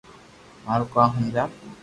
مارو ڪوم ھمجاو